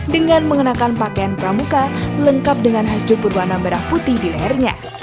dengan mengenakan pakaian pramuka lengkap dengan hasduk berwarna merah putih di lehernya